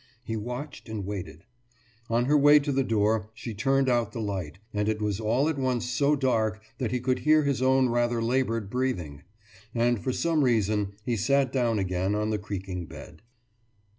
He watched and waited. On her way to the door she turned out the light, and it was all at once so dark that he could hear his own rather laboured breathing. And for some reason he sat down again on the creaking bed.